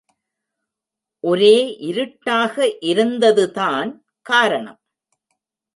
ஒரே இருட்டாக இருந்ததுதான் காரணம்.